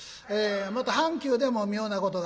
また阪急でも妙なことがありました。